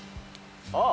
・あっ！